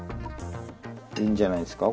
いいんじゃないですか？